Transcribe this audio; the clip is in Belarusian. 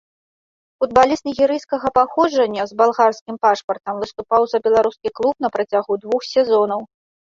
Футбаліст нігерыйскага паходжання з балгарскім пашпартам выступаў за беларускі клуб на працягу двух сезонаў.